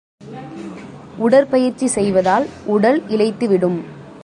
உடற்பயிற்சி செய்வதால், உடல் இளைத்துவிடும்.